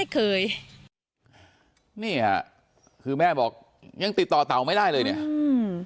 เคยเห็นไล่ยิงไม่เคยนี่ค่ะคือแม่บอกยังติดต่อเตาไม่ได้เลยเนี้ยอืม